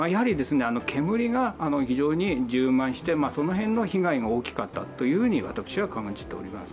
煙が非常に充満して、その辺の被害が大きかったと私は感じております。